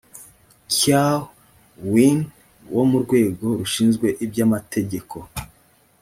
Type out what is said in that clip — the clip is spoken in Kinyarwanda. kyaw win wo mu rwego rushinzwe iby’ amategeko